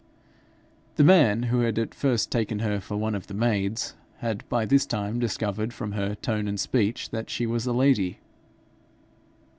The man, who had at first taken her for one of the maids, had by this time discovered from her tone and speech that she was a lady.